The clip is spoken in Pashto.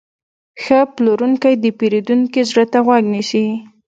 ښه پلورونکی د پیرودونکي زړه ته غوږ نیسي.